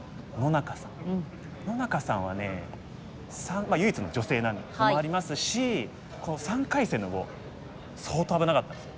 野中さんは唯一の女性でもありますしこの３回戦の碁相当危なかったです。